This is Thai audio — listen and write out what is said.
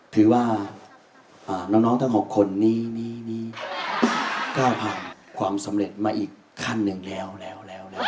ถือว่าน้องทั้ง๖คนนี้ก้าวผ่านความสำเร็จมาอีกขั้นหนึ่งแล้ว